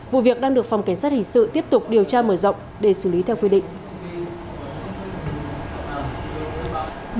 vụ việc đang được phòng cảnh sát hình sự tiếp tục điều tra mở rộng để xử lý theo quy định